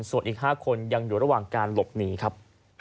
ส่วนอีก๕คนยังอยู่ระหว่างการหลบหนีครับ